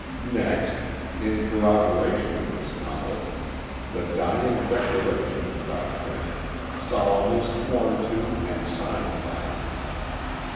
Next, in corroboration of this knowledge, the dying declaration of Gautran, solemnly sworn to and signed by him.